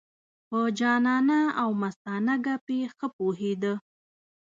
په جانانه او مستانه ګپې ښه پوهېده.